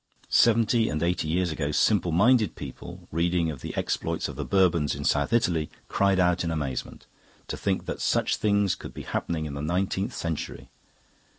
Seventy and eighty years ago simple minded people, reading of the exploits of the Bourbons in South Italy, cried out in amazement: To think that such things should be happening in the nineteenth century!